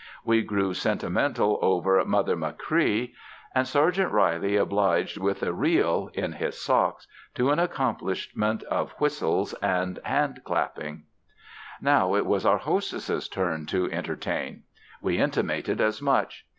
We grew sentimental over "Mother Machree." And Sergeant Reilly obliged with a reel in his socks to an accomplishment of whistling and handclapping. Now, it was our hostess's turn to entertain. We intimated as much.